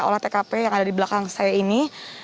olah tkp yang ada di belakang saya ini